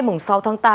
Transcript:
mùng sáu tháng tám